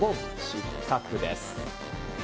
失格です。